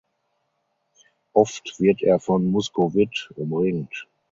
Oft wird er von Muskovit umringt.